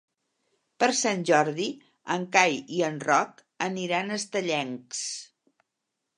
Per Sant Jordi en Cai i en Roc aniran a Estellencs.